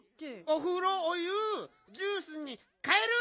おふろお湯ジュースにかえる！